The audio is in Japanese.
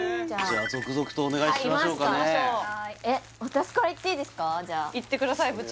じゃあいってください